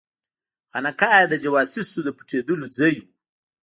خانقاه یې د جواسیسو د پټېدلو ځای وو.